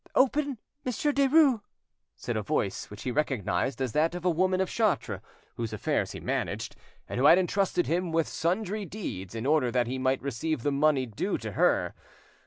"Open, Monsieur Derues," said a voice which he recognised as that of a woman of Chartres whose affairs he managed, and who had entrusted him with sundry deeds in order that he might receive the money due to her.